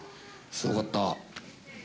すごかった。